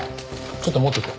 ちょっと持ってて。